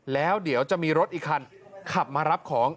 แล้วเดี๋ยวจะมีรถอีกคันขับมารับของ